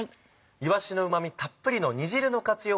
いわしのうまみたっぷりの煮汁の活用